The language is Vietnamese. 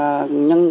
cái số lượng